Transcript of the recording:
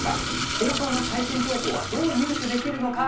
放送の最新情報はどう入手できるのか。